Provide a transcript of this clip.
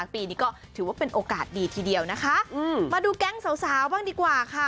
ปีนี้ก็ถือว่าเป็นโอกาสดีทีเดียวนะคะมาดูแก๊งสาวบ้างดีกว่าค่ะ